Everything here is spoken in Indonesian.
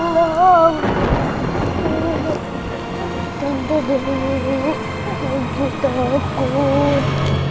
tante dewi aku takut